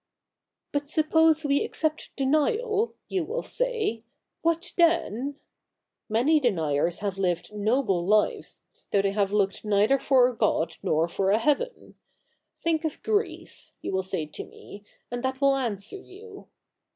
' But suppose we accept denial, you will say, what then ? Many deniers have lived noble lives, though they have looked neither for a God nor for a heaven. Think of Greece, you will say to me, and that will answer you.